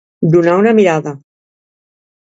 Donar una mirada.